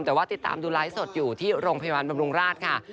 แต่ว่าติดตามดูไลฟ์สดอยู่ที่โรงพยาบาลบำรุงราชค่ะ